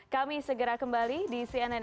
kami segera kembali di cnn indonesia